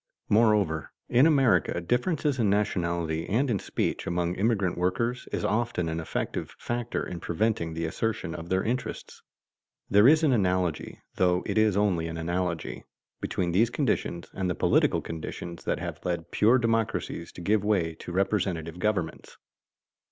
Moreover, in America differences in nationality and in speech among immigrant workers is often an effective factor in preventing the assertion of their interests. There is an analogy (though it is only an analogy) between these conditions and the political conditions that have led pure democracies to give way to representative governments.